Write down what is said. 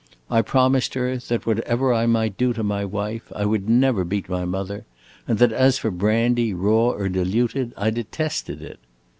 I promised her that, whatever I might do to my wife, I would never beat my mother, and that as for brandy, raw or diluted, I detested it.